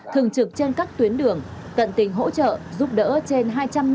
thường trực trên các tuyến đường tận tình hỗ trợ giúp đỡ trên hai trăm năm mươi